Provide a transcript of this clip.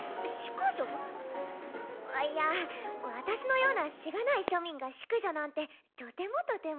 淑女⁉あっいや私のようなしがない庶民が淑女なんてとてもとても。